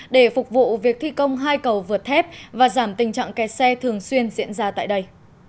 để phục vụ việc thi công hai cầu vượt thép và giảm tình trạng kẹt xe thường xuyên diễn ra tại đây